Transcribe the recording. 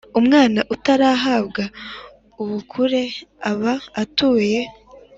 Umwana utarahabwa ubukure aba atuye